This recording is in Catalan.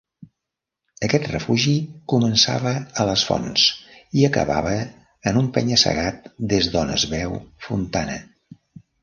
Aquest refugi començava a les fonts i acabava en un penya-segat des d'on es veu Fontana.